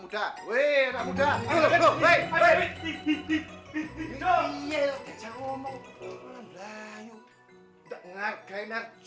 itu siapaan dong kalau bukan malik